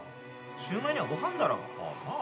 シューマイにはご飯だろう。なあ。